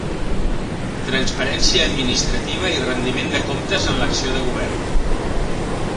Transparència administrativa i rendiment de comptes en l'acció de Govern.